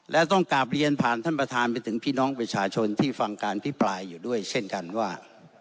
และต้องกลับเรียนผ่านท่านประธานไปถึงพี่น้องประชาชนที่ฟังการพิปรายอยู่ด้วยเช่นกันว่า